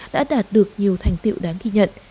đã đạt được nhiều thành tiệu đáng ghi nhận